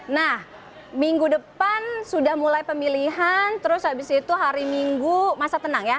nah minggu depan sudah mulai pemilihan terus habis itu hari minggu masa tenang ya